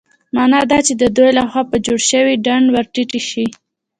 مانا دا چې د دوی له خوا په جوړ شوي ډنډ ورټيټې شي.